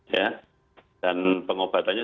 ya dan pengobatannya